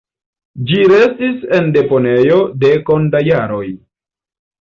Ĝi restis en deponejo dekon da jaroj.